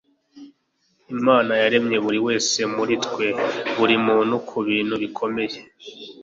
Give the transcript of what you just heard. imana yaremye buri wese muri twe, buri muntu, kubintu bikomeye